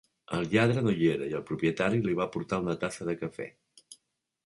El lladre no hi era i el propietari li va portar una tassa de cafè.